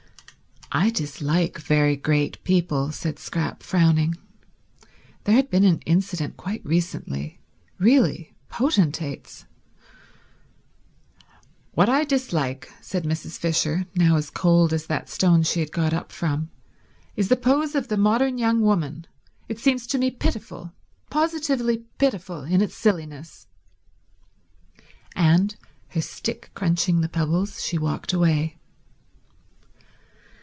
"I dislike very great people," said Scrap, frowning. There had been an incident quite recently—really potentates. .. "What I dislike," said Mrs. Fisher, now as cold as that stone she had got up from, "is the pose of the modern young woman. It seems to me pitiful, positively pitiful, in its silliness." And, her stick crunching the pebbles, she walked away.